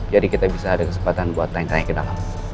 jadi kita bisa ada kesempatan buat tanya tanya ke dalam